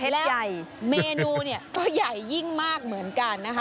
ใหญ่เมนูเนี่ยก็ใหญ่ยิ่งมากเหมือนกันนะคะ